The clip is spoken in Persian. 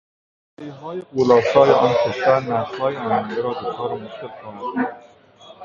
بدهیهای غولآسایآن کشور نسلهای آینده را دچار مشکل خواهد کرد.